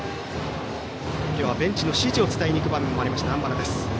今日はベンチの指示を伝えに行く場面もありました、南原。